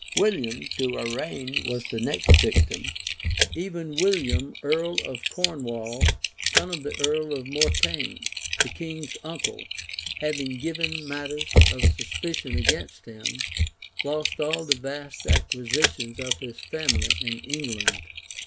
William de Warrenne was the next victim; {1103.} even William, earl of Cornwall, son of the earl of Mortaigne, the king's uncle, having given matter of suspicion against him, lost all the vast acquisitions of his family in England.